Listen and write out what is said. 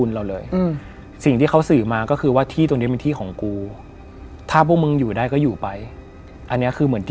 เหมือนเป็นหมู่บ้านหนึ่ง